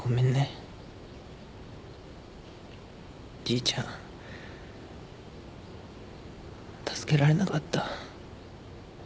じいちゃん助けられなかった。